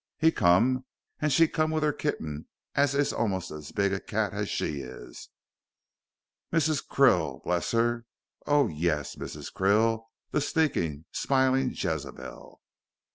he come, and she come with her kitting, as is almost as big a cat as she is. Mrs. Krill, bless her, oh, yuss, Mrs. Krill, the sneakin', smiling Jezebel."